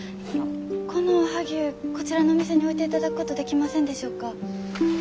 このおはぎゅうこちらのお店に置いていただくことできませんでしょうか？